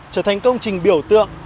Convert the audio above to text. trở thành công trình biểu tượng